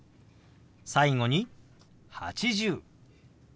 最後に「８０」。